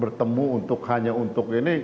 bertemu untuk hanya untuk ini